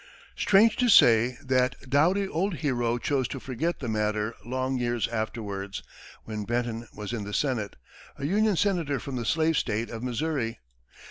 Strange to say, that doughty old hero chose to forget the matter long years afterwards, when Benton was in the Senate a Union senator from the slave state of Missouri.